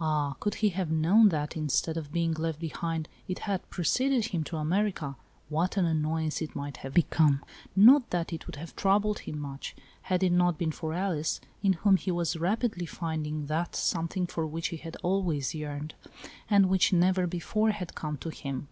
Ah, could he have known that, instead of being left behind, it had preceded him to America, what an annoyance it might have become ! Not that it would have troubled him much, had it not been for Alice, in whom he was rapidly finding the something for which he had always yearned, and which, never before, had come to him.